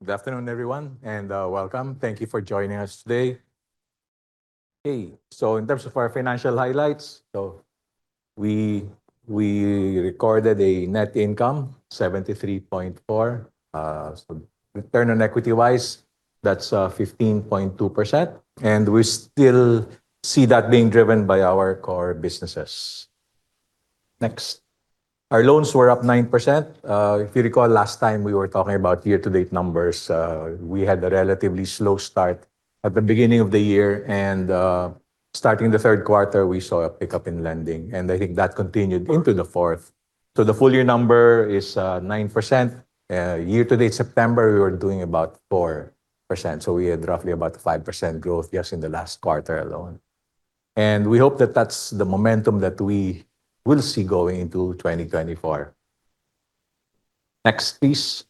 Good afternoon, everyone, and welcome. Thank you for joining us today. In terms of our financial highlights, we recorded a net income, 73.4. Return on equity-wise, that is 15.2%, and we still see that being driven by our core businesses. Next. Our loans were up 9%. If you recall last time we were talking about year-to-date numbers, we had a relatively slow start at the beginning of the year. Starting the third quarter, we saw a pickup in lending, and I think that continued into the fourth. The full year number is 9%. Year-to-date September, we were doing about 4%, so we had roughly about 5% growth just in the last quarter alone. We hope that that is the momentum that we will see going into 2024. Next, please.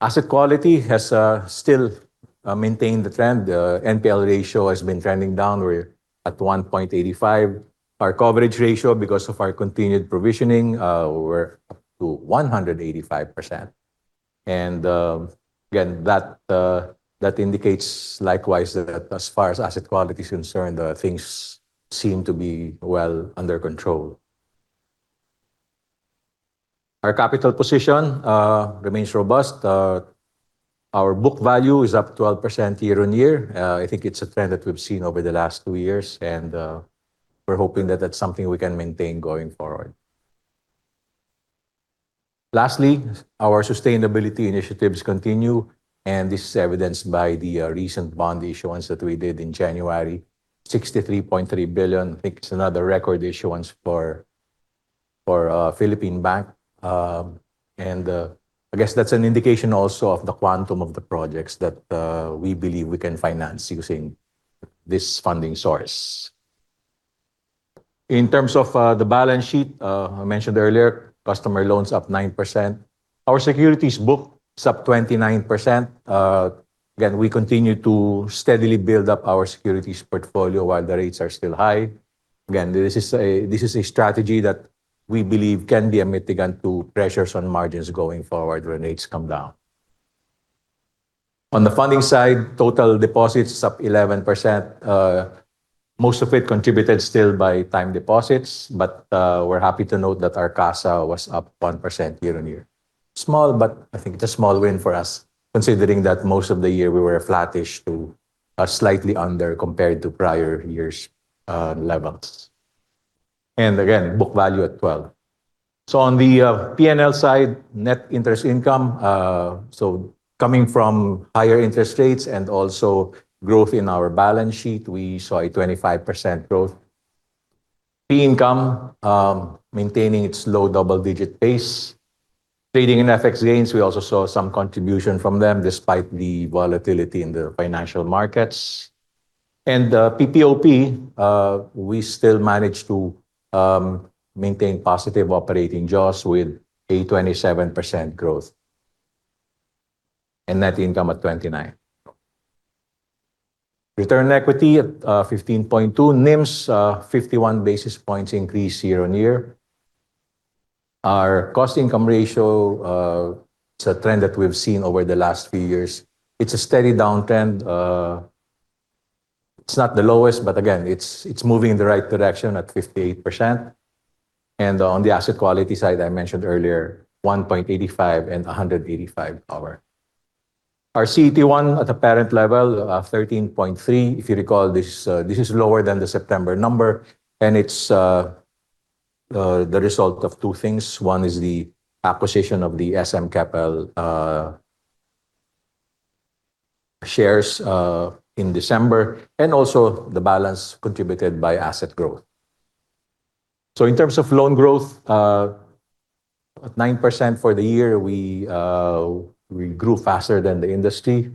Asset quality has still maintained the trend. The NPL ratio has been trending down. We are at 1.85%. Our coverage ratio, because of our continued provisioning, we are up to 185%. Again, that indicates likewise that as far as asset quality is concerned, things seem to be well under control. Our capital position remains robust. Our book value is up 12% year on year. I think it is a trend that we have seen over the last two years, and we are hoping that that is something we can maintain going forward. Lastly, our sustainability initiatives continue, and this is evidenced by the recent bond issuance that we did in January. 63.3 billion, I think it is another record issuance for Philippine bank. I guess that is an indication also of the quantum of the projects that we believe we can finance using this funding source. In terms of the balance sheet, I mentioned earlier, customer loans up 9%. Our securities book is up 29%. Again, we continue to steadily build up our securities portfolio while the rates are still high. Again, this is a strategy that we believe can be a mitigant to pressures on margins going forward when rates come down. On the funding side, total deposits up 11%, most of it contributed still by time deposits. We are happy to note that our CASA was up 1% year on year. Small, but I think it is a small win for us considering that most of the year we were flattish to slightly under compared to prior years' levels. Again, book value at 12%. On the P&L side, net interest income, coming from higher interest rates and also growth in our balance sheet, we saw a 25% growth. Fee income maintaining its low double-digit pace. Trading and FX gains, we also saw some contribution from them despite the volatility in the financial markets. PPOP, we still managed to maintain positive operating jaws with a 27% growth. Net income at 29. Return on equity at 15.2%. NIMs, 51 basis points increase year on year. Our cost-to-income ratio, it is a trend that we have seen over the last few years. It is a steady downtrend. It is not the lowest, but again, it is moving in the right direction at 58%. On the asset quality side, I mentioned earlier, 1.85% and 185% over. Our CET1 at the parent level of 13.3%. If you recall, this is lower than the September number, and it is the result of two things. One is the acquisition of the SM Capital shares in December, and also the balance contributed by asset growth. In terms of loan growth, at 9% for the year, we grew faster than the industry.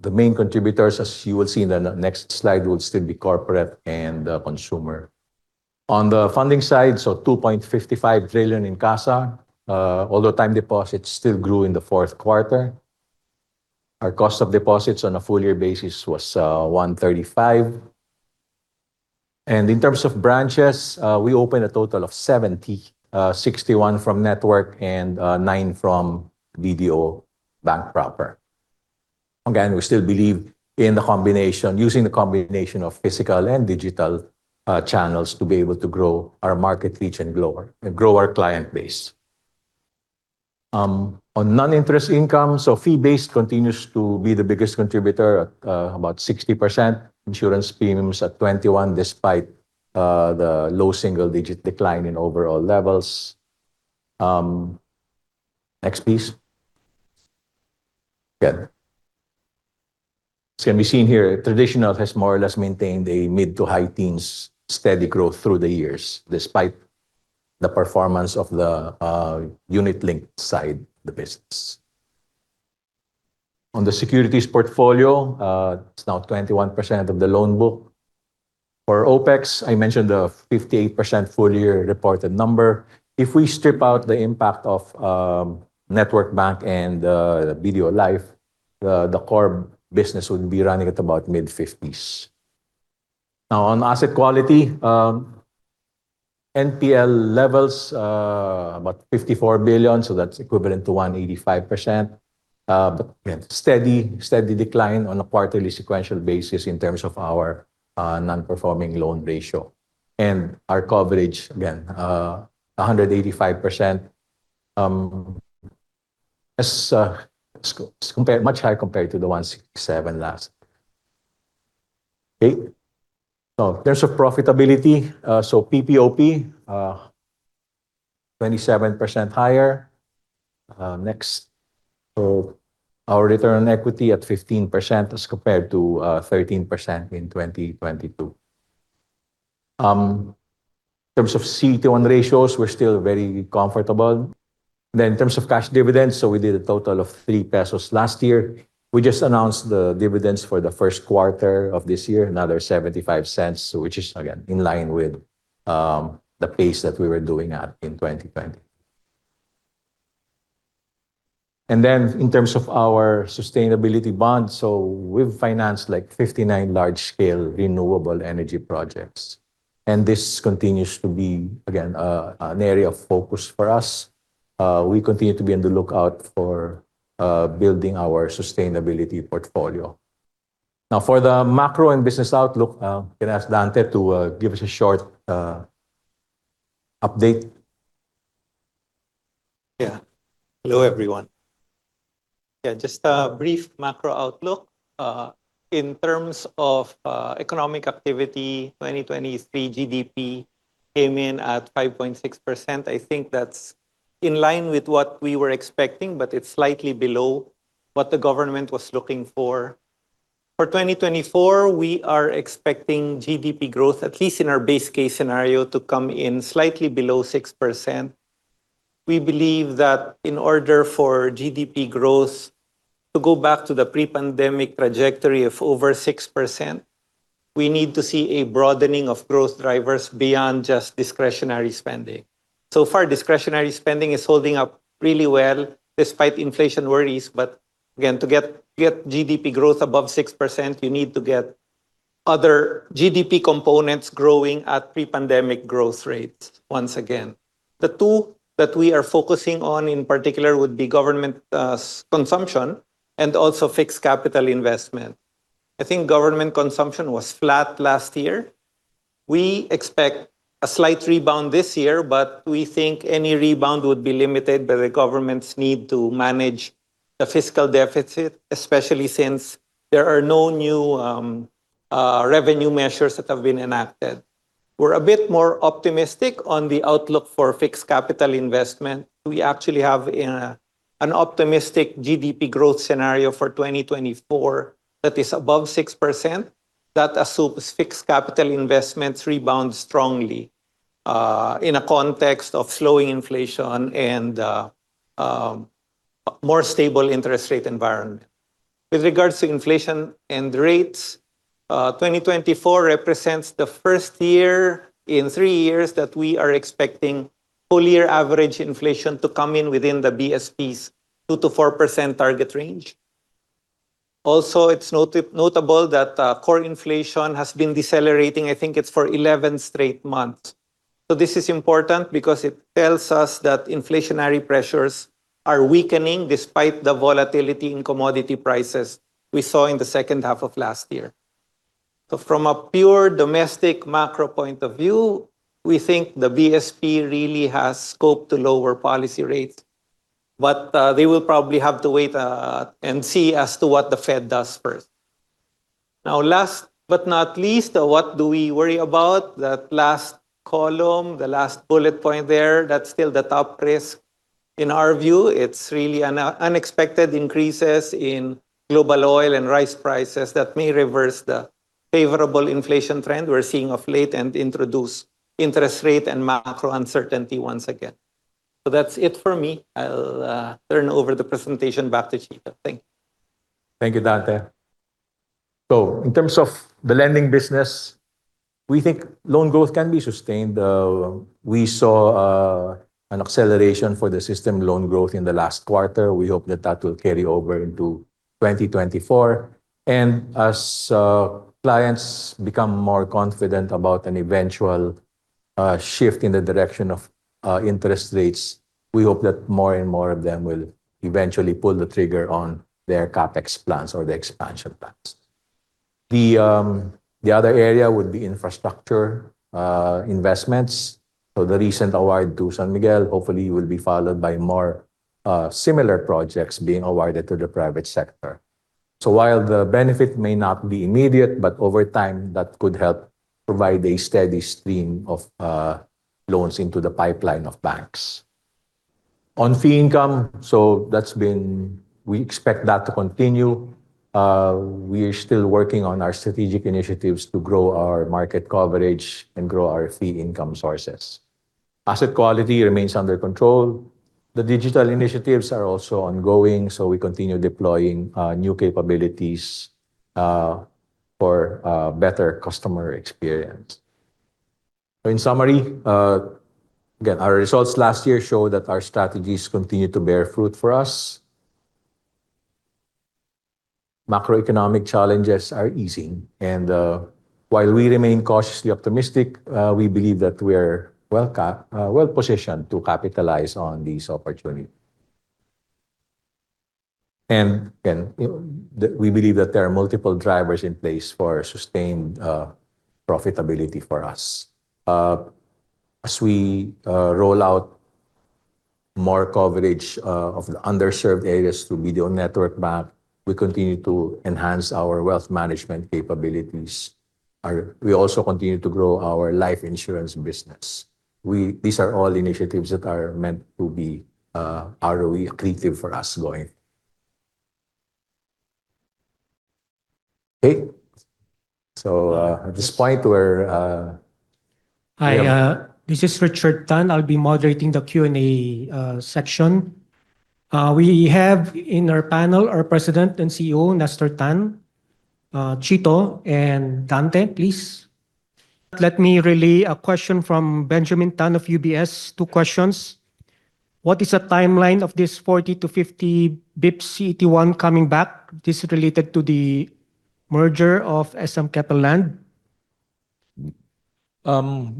The main contributors, as you will see in the next slide, would still be corporate and consumer. On the funding side, 2.55 trillion in CASA. Although time deposits still grew in the fourth quarter, our cost of deposits on a full year basis was 135 basis points. In terms of branches, we opened a total of 70, 61 from BDO Network Bank and nine from BDO Unibank proper. Again, we still believe in using the combination of physical and digital channels to be able to grow our market reach and grow our client base. On non-interest income, fee-based continues to be the biggest contributor at about 60%. Insurance premiums at 21%, despite the low single-digit decline in overall levels. Next, please. Good. As can be seen here, traditional has more or less maintained a mid to high teens steady growth through the years, despite the performance of the unit-linked side of the business. On the securities portfolio, it's now 21% of the loan book. For OpEx, I mentioned a 58% full year reported number. If we strip out the impact of BDO Network Bank and BDO Life, the core business would be running at about mid-50s. On asset quality, NPL levels about 54 billion, that's equivalent to 185%. Again, steady decline on a quarterly sequential basis in terms of our non-performing loan ratio. Our coverage, again, 185% is much higher compared to the 167% last. Okay. In terms of profitability, PPOP 27% higher. Next, our return equity at 15% as compared to 13% in 2022. In terms of CET1 ratios, we're still very comfortable. In terms of cash dividends, we did a total of 3 pesos last year. We just announced the dividends for the first quarter of this year, another 0.75. Which is again, in line with the pace that we were doing at in 2020. In terms of our sustainability bonds, we've financed like 59 large-scale renewable energy projects, and this continues to be, again, an area of focus for us. We continue to be on the lookout for building our sustainability portfolio. For the macro and business outlook, gonna ask Dante to give us a short update. Hello, everyone. Just a brief macro outlook. In terms of economic activity, 2023 GDP came in at 5.6%. I think that's in line with what we were expecting, but it's slightly below what the government was looking for. For 2024, we are expecting GDP growth, at least in our base case scenario, to come in slightly below 6%. We believe that in order for GDP growth to go back to the pre-pandemic trajectory of over 6%, we need to see a broadening of growth drivers beyond just discretionary spending. So far, discretionary spending is holding up really well despite inflation worries. Again, to get GDP growth above 6%, you need to get other GDP components growing at pre-pandemic growth rates once again. The two that we are focusing on in particular would be government consumption and also fixed capital investment. I think government consumption was flat last year. We expect a slight rebound this year, but we think any rebound would be limited by the government's need to manage the fiscal deficit, especially since there are no new revenue measures that have been enacted. We're a bit more optimistic on the outlook for fixed capital investment. We actually have an optimistic GDP growth scenario for 2024 that is above 6%, that assumes fixed capital investments rebound strongly in a context of slowing inflation and a more stable interest rate environment. With regards to inflation and rates, 2024 represents the first year in three years that we are expecting full year average inflation to come in within the BSP's 2% to 4% target range. Also, it's notable that core inflation has been decelerating. I think it's for 11 straight months. This is important because it tells us that inflationary pressures are weakening despite the volatility in commodity prices we saw in the second half of last year. From a pure domestic macro point of view, we think the BSP really has scope to lower policy rates, but they will probably have to wait and see as to what the Fed does first. Last but not least, what do we worry about? That last column, the last bullet point there, that's still the top risk in our view. It's really unexpected increases in global oil and rice prices that may reverse the favorable inflation trend we're seeing of late and introduce interest rate and macro uncertainty once again. That's it for me. I'll turn over the presentation back to Chita. Thank you. Thank you, Dante. In terms of the lending business, we think loan growth can be sustained. We saw an acceleration for the system loan growth in the last quarter. We hope that that will carry over into 2024. As clients become more confident about an eventual shift in the direction of interest rates, we hope that more and more of them will eventually pull the trigger on their CapEx plans or their expansion plans. The other area would be infrastructure investments. The recent award to San Miguel hopefully will be followed by more similar projects being awarded to the private sector. While the benefit may not be immediate, but over time, that could help provide a steady stream of loans into the pipeline of banks. On fee income, we expect that to continue. We are still working on our strategic initiatives to grow our market coverage and grow our fee income sources. Asset quality remains under control. The digital initiatives are also ongoing, we continue deploying new capabilities for better customer experience. In summary, again, our results last year show that our strategies continue to bear fruit for us. Macroeconomic challenges are easing, and while we remain cautiously optimistic, we believe that we're well-positioned to capitalize on these opportunities. We believe that there are multiple drivers in place for sustained profitability for us. As we roll out more coverage of the underserved areas through BDO Network Bank, we continue to enhance our wealth management capabilities. We also continue to grow our life insurance business. These are all initiatives that are meant to be ROE accretive for us going. Okay. At this point we're- Hi, this is Richard Tan. I will be moderating the Q&A section. We have on our panel our President and CEO, Nestor Tan. Chito and Dante, please. Let me relay a question from Benjamin Tan of UBS. Two questions. What is the timeline of this 40 to 50 basis points CET1 coming back? This is related to the merger of SM Capital Land.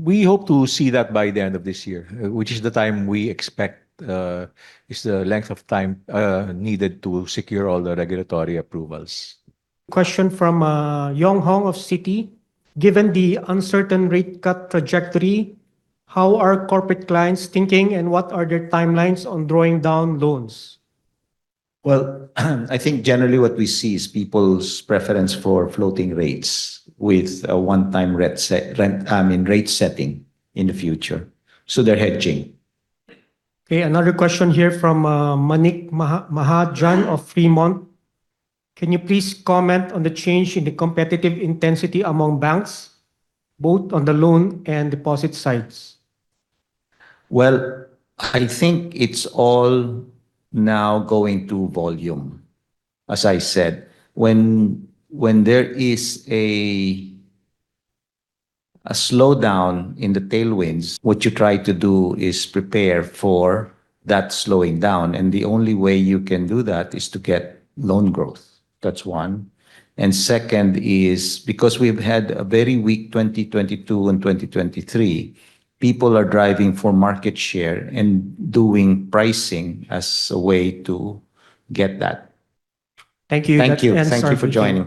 We hope to see that by the end of this year, which is the time we expect is the length of time needed to secure all the regulatory approvals. Question from Yong Hong of Citi. Given the uncertain rate cut trajectory, how are corporate clients thinking, and what are their timelines on drawing down loans? Well, I think generally what we see is people's preference for floating rates with a one-time rate setting in the future. They are hedging. Okay, another question here from Manik Mahajan of Fremont. Can you please comment on the change in the competitive intensity among banks, both on the loan and deposit sides? Well, I think it's all now going to volume. As I said, when there is a slowdown in the tailwinds, what you try to do is prepare for that slowing down, and the only way you can do that is to get loan growth. That's one. Second is because we've had a very weak 2022 and 2023, people are driving for market share and doing pricing as a way to get that. Thank you. That's the end. Sorry for the delay.